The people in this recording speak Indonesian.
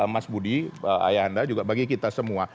mas budi ayah anda juga bagi kita semua